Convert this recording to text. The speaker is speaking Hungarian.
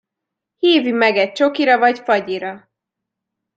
Hívj meg egy csokira vagy fagyira!